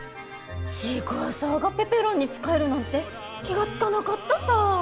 シークワーサーがペペロンに使えるなんて気が付かなかったさぁ！